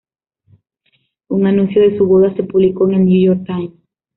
Un anuncio de su boda se publicó en el New York Times.